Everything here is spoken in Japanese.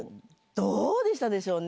どうでしたでしょうね。